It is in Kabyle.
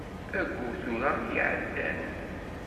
Ayyur tura i iɛeddan.